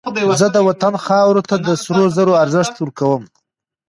زه د وطن خاورې ته د سرو زرو ارزښت ورکوم